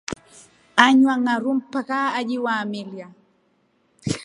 Anywa ngʼaru mpaa kajiwaamilya.